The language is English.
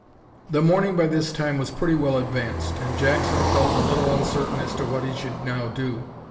The morning was by this time pretty well advanced, and Jackson felt a little uncertain as to what he should now do.